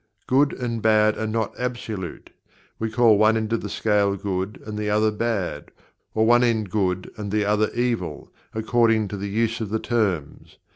Good and Bad are not absolute we call one end of the scale Good and the other Bad, or one end Good and the other Evil, according to the use of the terms.